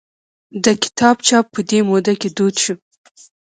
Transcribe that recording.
د کتاب چاپ په دې موده کې دود شو.